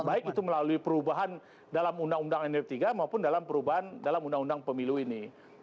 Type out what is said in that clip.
baik itu melalui perubahan dalam undang undang md tiga maupun dalam perubahan dalam undang undang pemilu ini